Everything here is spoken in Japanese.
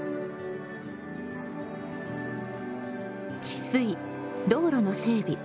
治水道路の整備